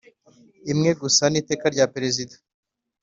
imwe gusa n iteka rya Perezida